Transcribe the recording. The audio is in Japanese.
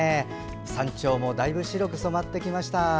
山頂もだいぶ白く染まってきました。